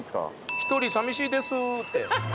１人さみしいですって。